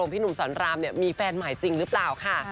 พี่หนุ่มสอนรามมีแฟนใหม่จริงหรือเปล่าค่ะ